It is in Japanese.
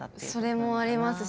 それもありますし。